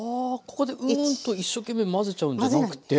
ここでうんと一生懸命混ぜちゃうんじゃなくて。